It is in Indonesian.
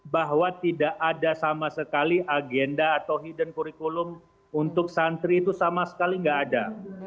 bahwa tidak ada sama sekali agenda atau hidden kurikulum untuk santri itu sama sekali tidak ada